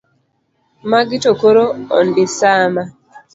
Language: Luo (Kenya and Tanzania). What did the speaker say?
Magi to koro ondisama.